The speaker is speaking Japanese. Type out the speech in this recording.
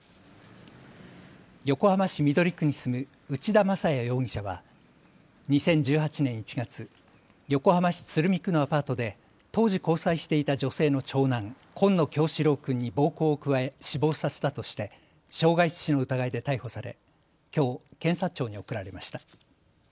横浜市緑区に住む内田正也容疑者は２０１８年１月、横浜市鶴見区のアパートで当時、交際していた女性の長男、紺野叶志郎君に暴行を加え死亡させたとして傷害致死の疑いで逮捕されきょう検察庁に送られました。